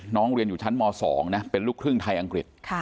เรียนอยู่ชั้นม๒นะเป็นลูกครึ่งไทยอังกฤษ